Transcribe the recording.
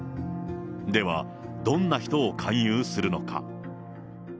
では、どんな人を勧誘するのか。